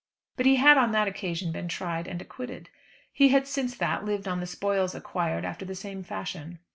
But he had on that occasion been tried and acquitted. He had since that lived on the spoils acquired after the same fashion.